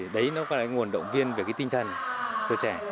đấy là nguồn động viên về tinh thần cho trẻ